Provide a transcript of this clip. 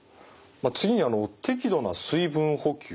次にあの適度な水分補給。